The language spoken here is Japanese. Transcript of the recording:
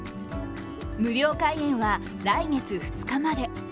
無料開園は来月２日まで。